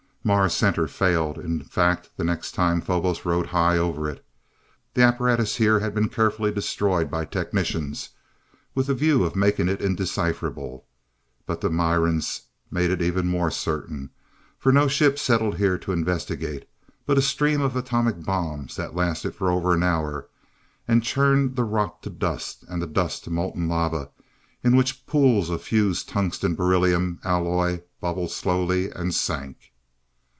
Mars Center failed in fact the next time Phobos rode high over it. The apparatus here had been carefully destroyed by technicians with a view of making it indecipherable, but the Mirans made it even more certain, for no ship settled here to investigate, but a stream of atomic bombs that lasted for over an hour, and churned the rock to dust, and the dust to molten lava, in which pools of fused tungsten beryllium alloy bubbled slowly and sank.